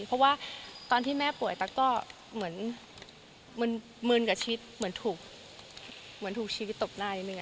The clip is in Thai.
เพราะว่าตอนที่แม่ป่วยตั๊กก็เหมือนมึนกับชีวิตเหมือนถูกเหมือนถูกชีวิตตบหน้านิดนึง